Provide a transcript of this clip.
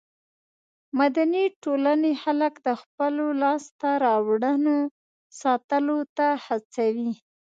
مدني ټولنې خلک د خپلو لاسته راوړنو ساتلو ته هڅوي.